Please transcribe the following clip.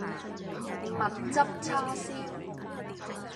蜜汁叉燒